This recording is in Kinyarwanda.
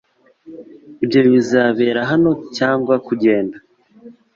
Ibyo bizabera hano cyangwa kugenda?